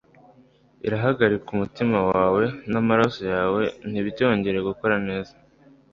irahagarika umutima wawe, namaraso yawe ntibyongere gukora neza